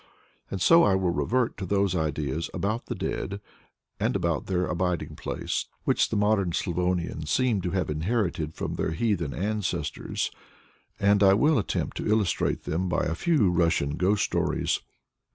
And so I will revert to those ideas about the dead, and about their abiding place, which the modern Slavonians seem to have inherited from their heathen ancestors, and I will attempt to illustrate them by a few Russian ghost stories.